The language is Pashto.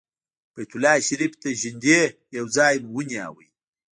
بیت الله شریفې ته نږدې یو ځای مو ونیو.